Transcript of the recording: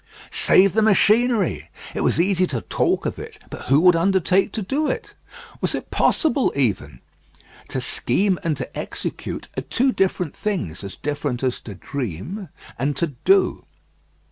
Save the machinery! It was easy to talk of it; but who would undertake to do it? Was it possible, even? To scheme and to execute are two different things; as different as to dream and to do.